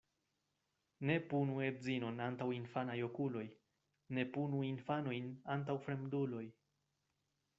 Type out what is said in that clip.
Ne punu edzinon antaŭ infanaj okuloj, ne punu infanojn antaŭ fremduloj.